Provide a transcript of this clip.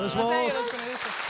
よろしくお願いします。